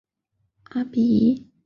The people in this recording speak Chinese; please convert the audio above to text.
阿比伊。